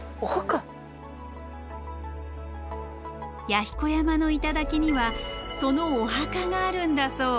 弥彦山の頂にはそのお墓があるんだそう。